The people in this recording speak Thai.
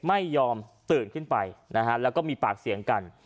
ไม่ยอมตื่นขึ้นไปนะฮะแล้วก็มีปากเสียงกัน